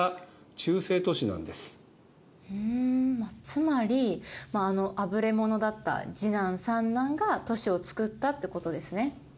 つまりあぶれ者だった次男三男が都市を作ったってことですね。